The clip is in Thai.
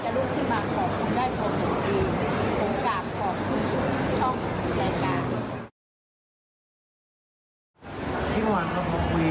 ผมขอบคุณผมไม่สามารถที่จะรุ่นขึ้นมาขอบคุณได้ตัวผมเอง